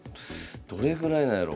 どれぐらいなんやろ？